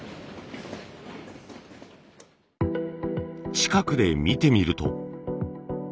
近くで見てみると。